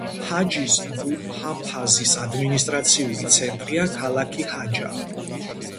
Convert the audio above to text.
ჰაჯის მუჰაფაზის ადმინისტრაციული ცენტრია ქალაქი ჰაჯა.